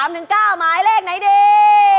หมายเลขไหนดี